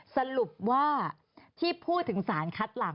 สรุปว่าที่พูดถึงสารคัดหลัก